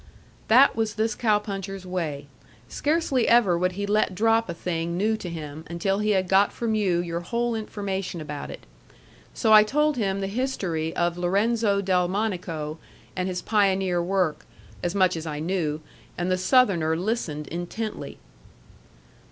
That was this cow puncher's way. Scarcely ever would he let drop a thing new to him until he had got from you your whole information about it. So I told him the history of Lorenzo Delmonico and his pioneer work, as much as I knew, and the Southerner listened intently.